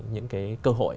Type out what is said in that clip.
những cái cơ hội